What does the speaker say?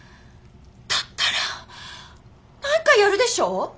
だったら何かやるでしょ？